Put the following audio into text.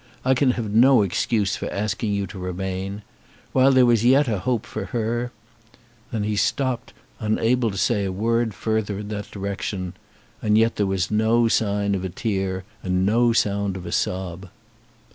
I can have no excuse for asking you to remain. While there was yet a hope for her " Then he stopped, unable to say a word further in that direction, and yet there was no sign of a tear and no sound of a sob.